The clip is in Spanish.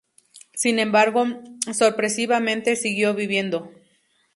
Sin embargo, sorpresivamente siguió viviendo.